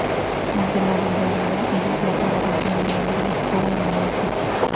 Ante la vulgaridad y la provocación del hombre, dispara y lo mata.